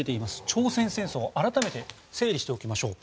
朝鮮戦争を改めて整理しておきましょう。